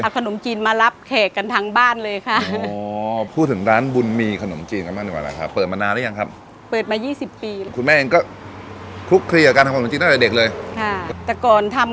ขนมจีนมารับแขกกันทั้งบ้านเลยค่ะ